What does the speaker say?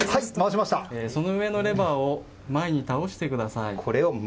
その上のレバーを前に倒してください。